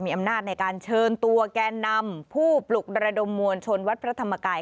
อำนาจในการเชิญตัวแกนนำผู้ปลุกระดมมวลชนวัดพระธรรมกาย